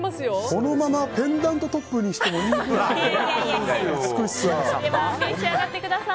このままペンダントトップにしてもいいぐらいの美しさ。